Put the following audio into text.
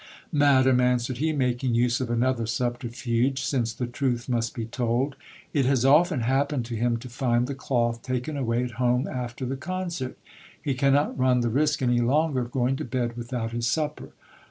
Madam, answered he, making use of another subterfuge, since the truth must be told, it has often happened to him to find the cloth taken away at home after the concert ; he cannot run the risk any longer of going to bed without his supper.